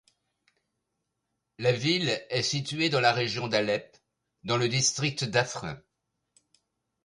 La ville est située dans la région d'Alep dans le district d'Afrin.